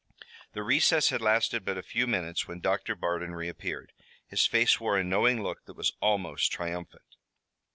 The recess had lasted but a few minutes, when Doctor Bardon reappeared. His face wore a knowing look that was almost triumphant.